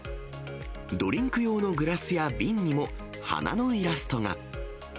ドリンク用のグラスや瓶にも花のイラストが。